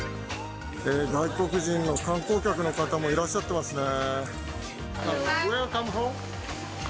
外国人の観光客の方もいらっしゃってますね。